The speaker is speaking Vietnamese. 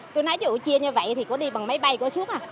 tôi nói chịu chia như vậy thì cô đi bằng máy bay cô xuống à